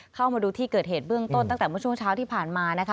เข้ามาดูที่เกิดเหตุเบื้องต้นตั้งแต่เมื่อช่วงเช้าที่ผ่านมานะคะ